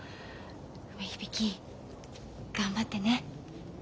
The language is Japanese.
梅響頑張ってね。